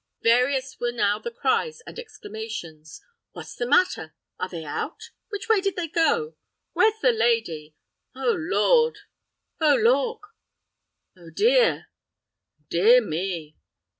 Various were now the cries and exclamations: "What's the matter?" "Are they out?" "Which way did they go?" "Where's the lady?" "Oh Lord!" "Oh lauk!" "Oh dear!" "Dear me!"